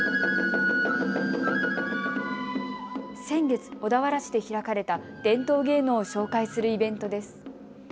先月、小田原市で開かれた伝統芸能を紹介するイベントです。